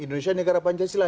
indonesia negara pancasila